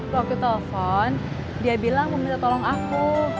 kalau aku telepon dia bilang mau minta tolong aku